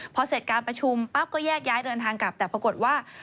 พอเสร็จการประชุมปั๊บก็แยกย้ายเดินทางกลับแต่ปรากฏว่า